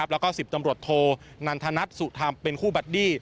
แล้วก็๑๐ตำรวจโทนันทนัทสุธรรมเป็นคู่บัดดี้